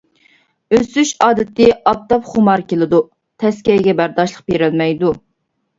ئۆسۈش ئادىتى ئاپتاپخۇمار كېلىدۇ، تەسكەيگە بەرداشلىق بېرەلمەيدۇ.